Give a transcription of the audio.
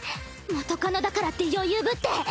元カノだからって余裕ぶって。